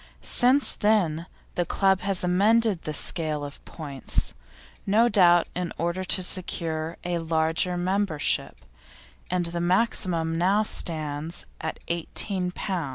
Since then the club has amended the scale of points, no doubt in order to secure a larger membership, and the maximum now stands at 18 lb.